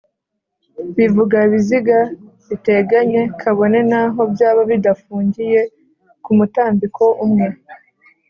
bivuga ibiziga biteganye kabone naho byaba bidafungiye kumutambiko umwe